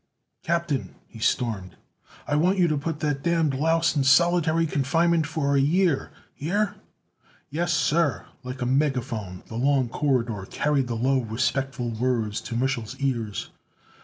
"Captain!" he stormed. "I want you to put that damned louse in solitary confinement for a year. Hear?" "Yes, sir." Like a megaphone the long corridor carried the low, respectful words to Mich'l's ears.